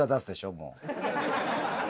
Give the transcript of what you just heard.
もう。